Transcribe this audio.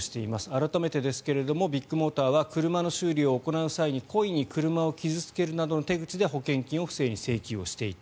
改めてですがビッグモーターは車の修理を行う際に故意に車を傷付けるなどの手口で保険金を不正に請求していた。